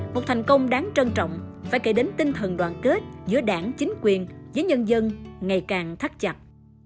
một thành công đáng trân trọng phải kể đến tinh thần đoàn kết giữa đảng chính quyền với nhân dân ngày càng thắt chặt